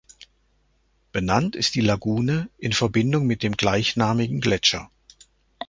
Benannt ist die Lagune in Verbindung mit dem gleichnamigen Gletscher.